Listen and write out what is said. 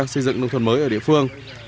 xây dựng nông thôn mới ở địa phương